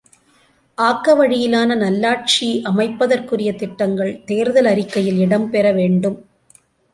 ஆக்கவழியிலான நல்லாட்சி அமைப்ப தற்குரிய திட்டங்கள், தேர்தல் அறிக்கையில் இடம்பெற வேண்டும்.